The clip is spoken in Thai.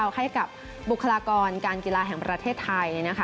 ให้กับบุคลากรการกีฬาแห่งประเทศไทยนะคะ